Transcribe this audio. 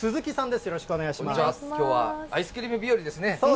こんにちは、きょうはアイスクリーム日和ですね。